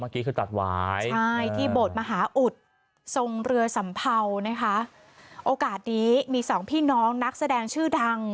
เมื่อกี้คือตัดวายใช่ที่โบสถ์มหาอุดทรงเรือสัมเภานะคะโอกาสนี้มีสองพี่น้องนักแสดงชื่อดัง